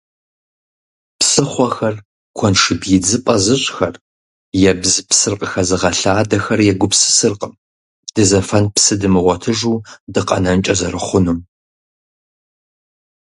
Псыхъуэхэр куэншыб идзыпӀэ зыщӀхэр, ебзыпсыр къыхэзыгъэлъадэхэр егупсысыркъым дызэфэн псы дымыгъуэтыжу дыкъэнэнкӀэ зэрыхъунум.